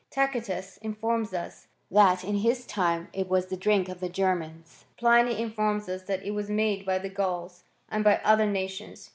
f Tacitus informs us, that in his time it was the drink of the Germans.^ Pliny in forms us that it was made by the Grauls, and by other nations.